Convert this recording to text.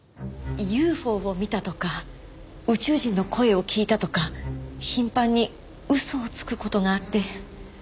ＵＦＯを見たとか宇宙人の声を聞いたとか頻繁に嘘をつく事があって。